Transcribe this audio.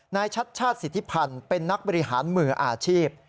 ชัดชาติสิทธิพันธ์เป็นนักบริหารมืออาชีพ